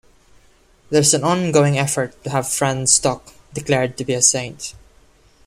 There is an ongoing effort to have Franz Stock declared to be a saint.